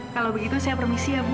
kalau begitu saya permisi ya bu